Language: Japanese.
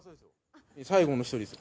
最後の１人です。